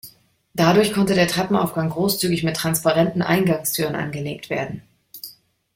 Dadurch konnte der Treppenaufgang großzügig mit transparenten Eingangstüren angelegt werden.